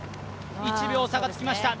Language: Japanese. １秒差がつきました。